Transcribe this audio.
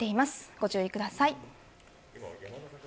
ご注意ください。